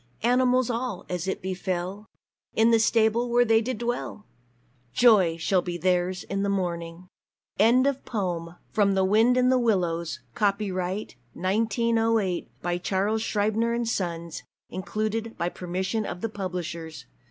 Animals all, as it befell, In the stable where they did dwell! Joy shall be theirs in the morning!" Kenneth Grahame _From "The Wind in the Willows"; Copyright, 1908, by Charles Scribner's Sons. Included by permission of the publishers.